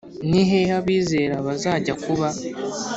ni hehe abizera bazajya kuba ?